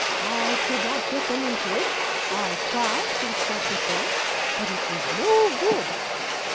I could not get them into it, I quacked and snapped at them, but it was no good.